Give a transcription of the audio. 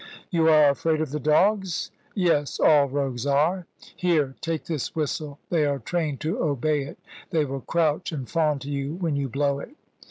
You are afraid of the dogs? Yes, all rogues are. Here, take this whistle. They are trained to obey it they will crouch and fawn to you when you blow it."